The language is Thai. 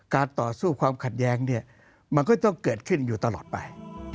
ต่อสู้ความขัดแย้งเนี่ยมันก็ต้องเกิดขึ้นอยู่ตลอดไป